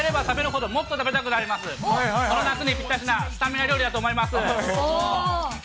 この夏にぴったしなスタミナ料理だと思います。